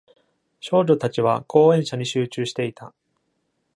少女たちは、講演者に集中していた。